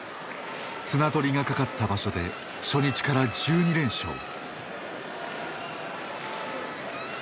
綱取りがかかった場所で初日から１２連勝。